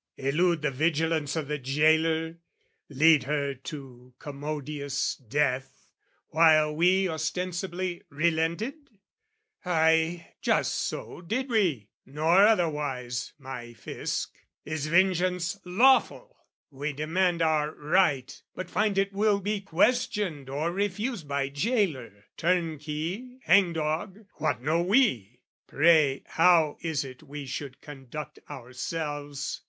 elude the vigilance O' the jailor, lead her to commodious death, While we ostensibly relented? Ay, Just so did we, nor otherwise, my Fisc! Is vengeance lawful? We demand our right, But find it will be questioned or refused By jailor, turnkey, hangdog, what know we? Pray, how is it we should conduct ourselves?